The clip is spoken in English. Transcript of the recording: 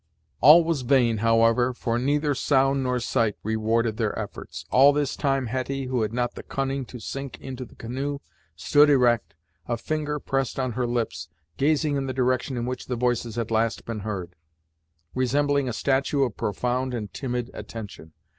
All was vain, however, for neither sound nor sight rewarded their efforts. All this time Hetty, who had not the cunning to sink into the canoe, stood erect, a finger pressed on her lips, gazing in the direction in which the voices had last been heard, resembling a statue of profound and timid attention.